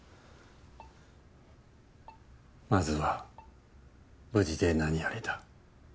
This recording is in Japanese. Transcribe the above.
まずは無事で何よりだ。